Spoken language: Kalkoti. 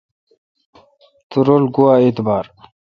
تو رل گوا اعتبار۔